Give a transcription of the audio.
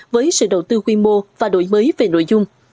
với sự đầu tư quy mô và đổi mới về nội dung